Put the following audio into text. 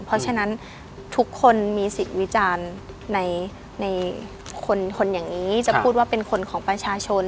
เพราะฉะนั้นทุกคนมีสิทธิ์วิจารณ์ในคนอย่างนี้จะพูดว่าเป็นคนของประชาชน